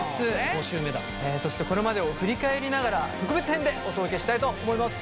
そしてこれまでを振り返りながら特別編でお届けしたいと思います。